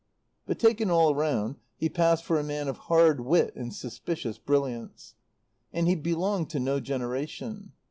But taken all round he passed for a man of hard wit and suspicious brilliance. And he belonged to no generation.